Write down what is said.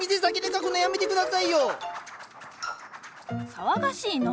騒がしいのう。